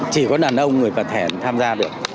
chỉ có đàn ông người bà thẻn tham gia được